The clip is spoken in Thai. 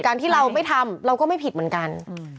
การที่เราไม่ทำเราก็ไม่ผิดเหมือนกัน